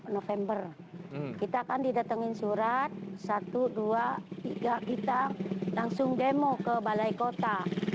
november kita kan didatengin surat satu dua tiga kita langsung demo ke balai kota